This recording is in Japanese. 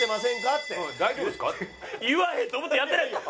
言わへんと思ったらやってないよ。